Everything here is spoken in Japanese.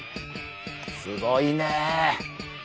すごいねえ。